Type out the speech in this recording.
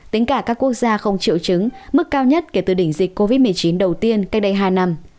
tính cả các quốc gia không triệu chứng mức cao nhất kể từ đỉnh dịch covid một mươi chín đầu tiên cách đây hai năm